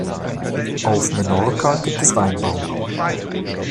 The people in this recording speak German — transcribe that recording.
Auf Menorca gibt es Weinbau.